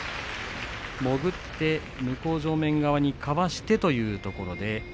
潜って向正面側にかわしてというところで